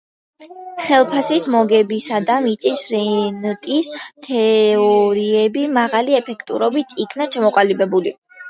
ხელფასის, მოგებისა და მიწის რენტის თეორიები მაღალი ეფექტურობით იქნა ჩამოყალიბებული.